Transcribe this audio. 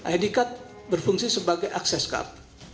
id kad berfungsi sebagai akses kad